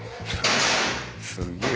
すげえ。